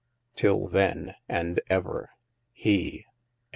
Till then and ever. HE.